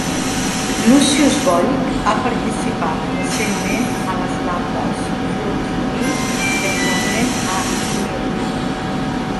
Lucius Borich ha participat recentment a les bandes Floating Me, i actualment a Nerve.